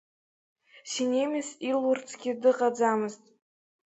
Синемис илурцгьы дыҟаӡамызт.